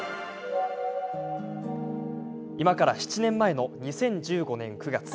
今から７年前の２０１５年９月。